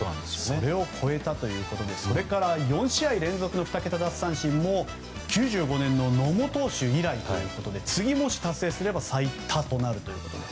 それを超えたということでそれから４試合連続の２桁奪三振も９５年の野茂投手以来ということですがもし、次に達成すれば最多となるということで。